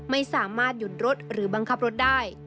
ไม่สามารถหยุดรถหรือบังคับรถได้